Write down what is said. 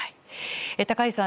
高市さん